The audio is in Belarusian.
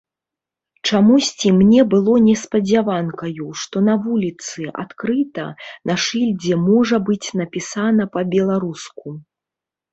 Чамусьці мне было неспадзяванкаю, што на вуліцы, адкрыта, на шыльдзе можа быць напісана па-беларуску.